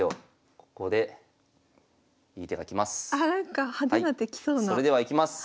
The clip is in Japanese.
それではいきます！